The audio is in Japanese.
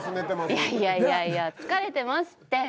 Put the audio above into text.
いやいやいやいや疲れてますって。